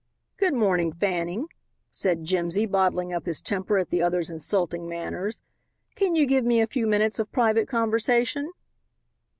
"Good morning, Fanning," said Jimsy, bottling up his temper at the other's insulting manners, "can you give me a few minutes of private conversation?"